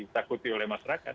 takuti oleh masyarakat